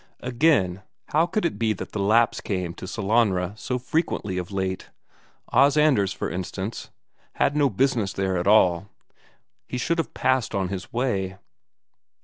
Again, how could it be that the Lapps came up to Sellanraa so frequently of late? Os Anders, for instance, had no business there at all, he should have passed on his way.